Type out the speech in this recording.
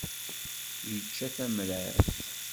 Yečča tamrart.